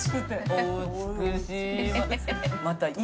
お美しいわ。